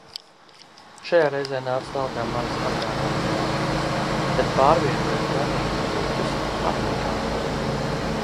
Šajā reizē nāca talkā manas agrākās zināšanas, kad pārvietoju granīta bluķus akmeņkaltuvē.